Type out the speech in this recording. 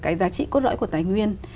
cái giá trị cốt lõi của tài nguyên